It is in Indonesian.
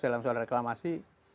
dalam soal reklamasi